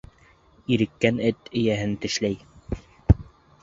Иреккән эт эйәһен тешләй.